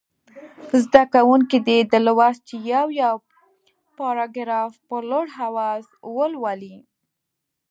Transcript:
زده کوونکي دې د لوست یو یو پاراګراف په لوړ اواز ولولي.